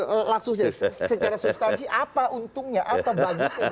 langsung secara substansi apa untungnya apa bagusnya buat manusia